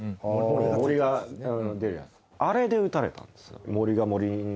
あれで撃たれたんですよ